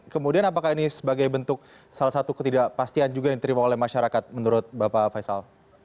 kemudian apakah ini sebagai bentuk salah satu ketidakpastian juga yang diterima oleh masyarakat menurut bapak faisal